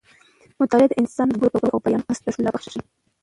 مطالعه د انسان د خبرو کولو او بیان طرز ته ښکلا بښي.